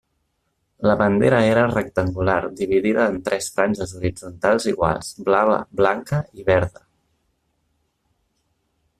La bandera era rectangular dividida en tres franges horitzontals iguals: blava, blanca i verda.